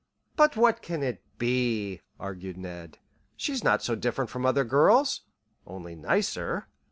"But what can it be?" argued Ned. "She's not so different from other girls only nicer.